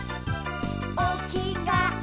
「おきがえ